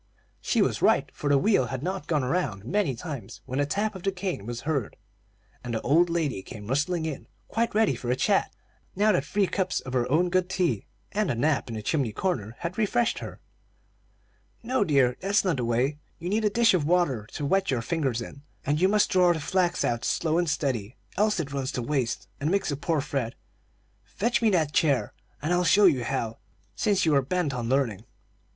She was right, for the wheel had not gone around many times, when the tap of the cane was heard, and the old lady came rustling in, quite ready for a chat, now that three cups of her own good tea and a nap in the chimney corner had refreshed her. "No, dear, that's not the way; you need a dish of water to wet your fingers in, and you must draw the flax out slow and steady, else it runs to waste, and makes a poor thread. Fetch me that chair, and I'll show you how, since you are bent on learning."